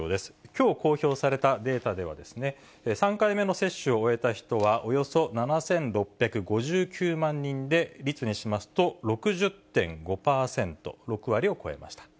きょう公表されたデータでは、３回目の接種を終えた人はおよそ７６５９万人で、率にしますと６０．５％、６割を超えました。